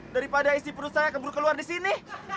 daripada istri perut saya kembur keluar di sini